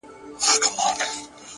• ماته د یارانو د مستۍ خبري مه کوه ,